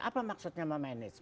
apa maksudnya memanage